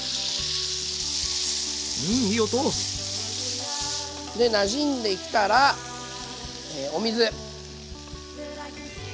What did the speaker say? うんいい音！でなじんできたらお水。